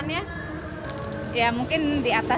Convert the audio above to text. ya mungkin di atas lima ratus